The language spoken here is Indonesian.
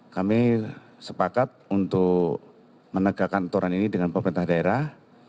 kami sepakat untuk menegakkan aturan ini dengan pemerintah daerah